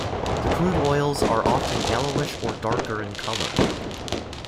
The crude oils are often yellowish or darker in colour.